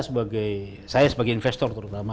sebagai saya sebagai investor terutama